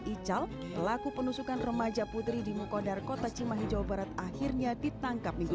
ical pelaku penusukan remaja putri di mukodar kota cimahi jawa barat akhirnya ditangkap minggu